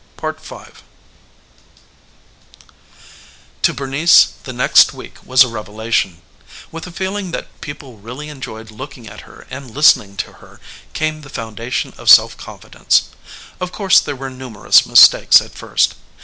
V To Bernice the next week was a revelation. With the feeling that people really enjoyed looking at her and listening to her came the foundation of self confidence. Of course there were numerous mistakes at first.